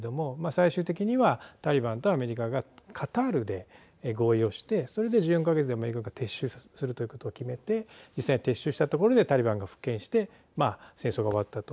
最終的にはタリバンとアメリカがカタールで合意をしてそれで、１４か月でアメリカが撤収するということを決めて実際に撤収したところでタリバンが復権して戦争が終わったと。